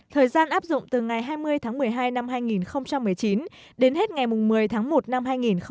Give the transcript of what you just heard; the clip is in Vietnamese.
thời gian áp dụng từ ngày hai mươi tháng một mươi hai năm hai nghìn một mươi chín đến hết ngày một mươi tháng một năm hai nghìn hai mươi